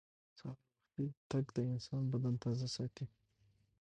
سهار وختي تګ د انسان بدن تازه ساتي